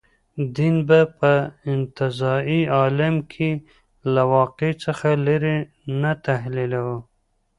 دین به په انتزاعي عالم کې له واقع څخه لرې نه تحلیلوو.